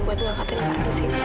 buat mengangkatkan kartus itu